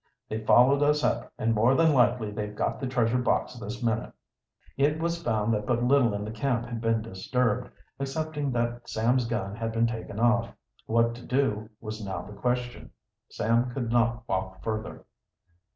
"They followed us up, and more than likely they've got the treasure box this minute!" It was found that but little in the camp had been disturbed, excepting that Sam's gun had been taken off. What to do was now the question. Sam could not walk further.